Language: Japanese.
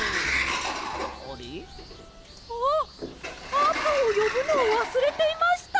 あーぷんをよぶのをわすれていました！